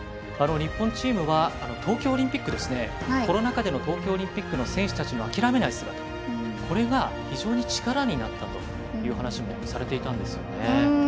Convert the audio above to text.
日本チームはコロナ禍での東京オリンピックの選手たちの諦めない姿、これが非常に力になったという話をされていたんですね。